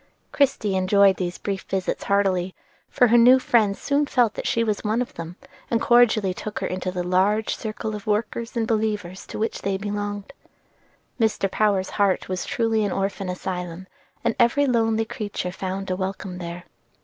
Christie enjoyed these brief visits heartily, for her new friends soon felt that she was one of them, and cordially took her into the large circle of workers and believers to which they belonged. Mr. Power's heart was truly an orphan asylum, and every lonely creature found a welcome there.